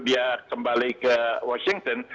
dia kembali ke washington